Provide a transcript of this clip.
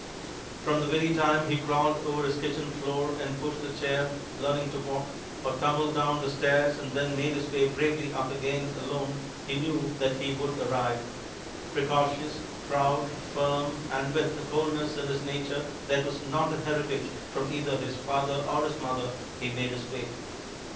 From the very time he crawled over this kitchen floor and pushed a chair, learning to walk, or tumbled down the stairs and then made his way bravely up again alone, he knew that he would arrive. Precocious, proud, firm, and with a coldness in his nature that was not a heritage from either his father or his mother, he made his way.